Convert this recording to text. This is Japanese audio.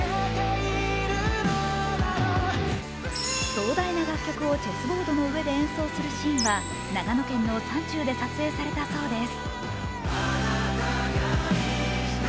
壮大な楽曲をチェスボードの上で演奏するシーンは長野県の山中で撮影されたそうです。